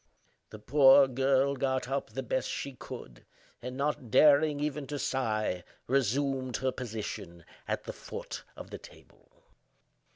The poor girl got up the best she could, and, not daring even to sigh, resumed her position at the foot of the table.